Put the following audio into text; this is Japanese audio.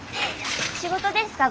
仕事ですか？